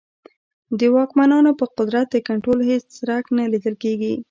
د واکمنانو پر قدرت د کنټرول هېڅ څرک نه لیدل کېږي.